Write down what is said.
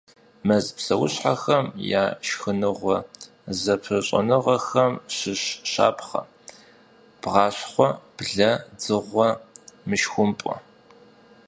Мэз псэущхьэхэм я шхыныгъуэ зэпыщӏэныгъэхэм щыщ щапхъэ: бгъащхъуэ – блэ – дзыгъуэ – мышхумпӏэ.